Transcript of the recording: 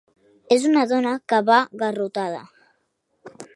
És una dona que va garrotada.